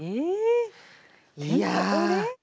いや。